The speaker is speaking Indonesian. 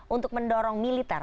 untuk mendorong militer